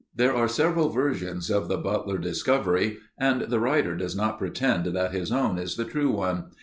There are several versions of the Butler discovery and the writer does not pretend that his own is the true one.